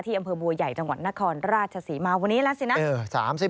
อำเภอบัวใหญ่จังหวัดนครราชศรีมาวันนี้แล้วสินะ